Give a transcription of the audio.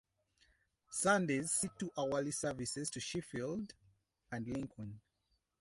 Sundays see two-hourly services to Sheffield and Lincoln.